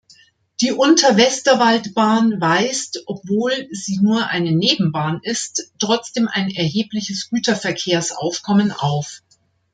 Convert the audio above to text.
Die Unterwesterwaldbahn weist, obwohl sie nur eine Nebenbahn ist, trotzdem ein erhebliches Güterverkehrsaufkommen auf.